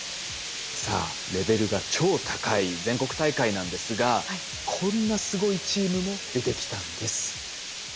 さあレベルが超高い全国大会なんですがこんなすごいチームも出てきたんです。